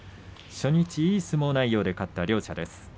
初日いい相撲内容で勝った両者です。